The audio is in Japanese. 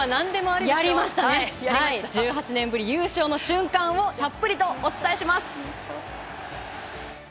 １８年ぶり優勝の瞬間をたっぷりとお伝えします。